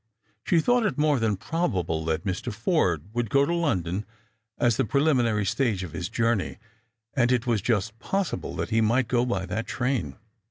She thought it more than probable that Mr. Forde would go to London as the pre liminary stage of his journey, and it was just possible that he miirht go by that train.